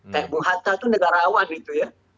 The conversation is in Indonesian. kayak bung hatta itu negarawan gitu ya